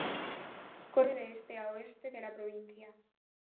Corre de este a oeste de la provincia.